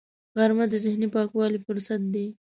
غرمه د ذهني پاکوالي فرصت دی